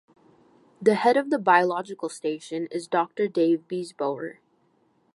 The head of the biological station is Doctor Dave Biesboer.